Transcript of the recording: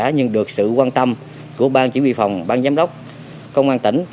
nhưng được sự quan tâm của bang chỉ huy phòng ban giám đốc công an tỉnh